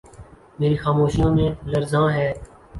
میری خاموشیوں میں لرزاں ہے